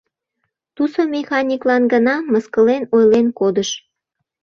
Тусо механиклан гына мыскылен ойлен кодыш: